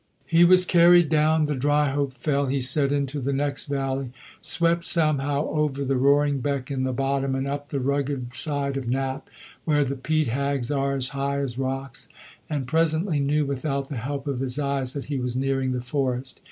He was carried down the Dryhope fell, he said, into the next valley, swept somehow over the roaring beck in the bottom, and up the rugged side of Knapp, where the peat hags are as high as rocks, and presently knew without the help of his eyes that he was nearing the forest.